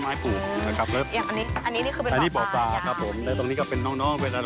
อย่างอันนี้อันนี้นี่คือเป็นบ่อปลาครับอันนี้บ่อปลาครับผมและตรงนี้ก็เป็นน้องเวลาเขาเลิกเรียน